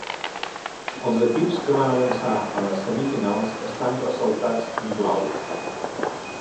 Els equips que van avançar a les semifinals estan ressaltats en blau.